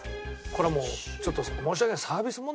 これはもうちょっと申し訳ない。